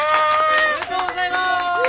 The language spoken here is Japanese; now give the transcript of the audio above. おめでとうございます！